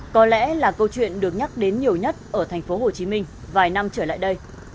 có lẽ là câu chuyện được nhắc đến nhiều nhất ở thành phố hồ chí minh vài năm trở lại đây